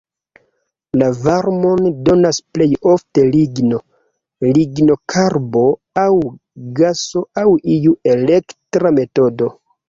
La varmon donas plej ofte ligno, lignokarbo aŭ gaso aŭ iu elektra metodo.